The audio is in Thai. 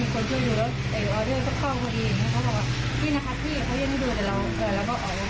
เค้าบอกว่านี่นะคะพี่เค้ายังไม่ดู